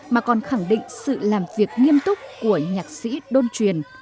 mà còn khẳng định sự làm việc nghiêm túc của nhạc sĩ đôn truyền